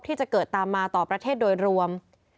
ที่จะเกิดตามมาต่อประเทศโดยรวม